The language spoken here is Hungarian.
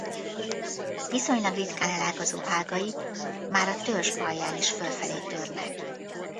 Viszonylag ritkán elágazó ágai már a törzs alján is fölfelé törnek.